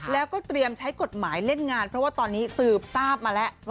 แล้วก็เตรียมใช้กฎหมายเล่นงานเพราะว่าตอนนี้สืบทราบมาแล้ว